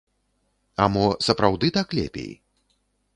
А мо сапраўды так лепей?